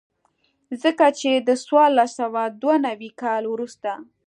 ځکه چې د څوارلس سوه دوه نوي کال وروسته.